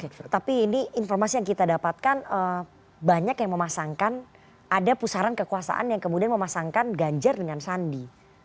oke tapi ini informasi yang kita dapatkan banyak yang memasangkan ada pusaran kekuasaan yang kemudian memasangkan ganjar dengan sandi